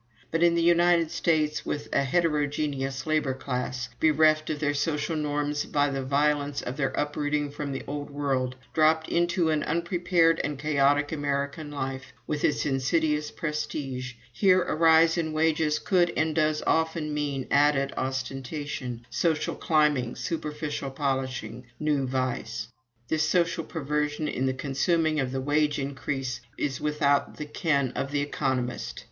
But in the United States, with a heterogeneous labor class, bereft of their social norms by the violence of their uprooting from the old world, dropped into an unprepared and chaotic American life, with its insidious prestige here a rise in wages could and does often mean added ostentation, social climbing, superficial polishing, new vice. This social perversion in the consuming of the wage increase is without the ken of the economist.